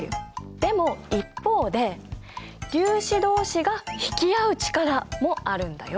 でも一方で「粒子どうしが引き合う力」もあるんだよ。